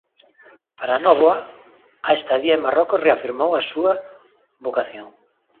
Para Nóvoa a estadía en Marrocos "reafirmou" a súa vocación.